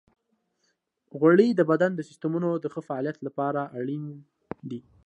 غوړې د بدن د سیستمونو د ښه فعالیت لپاره اړینې دي.